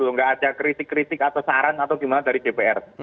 nggak ada kritik kritik atau saran atau gimana dari dpr